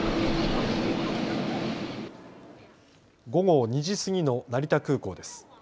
午後２時過ぎの成田空港です。